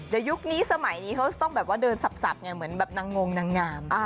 เดี๋ยวยุคนี้สมัยนี้เขาจะต้องแบบว่าเดินสับไงเหมือนแบบนางงนางงาม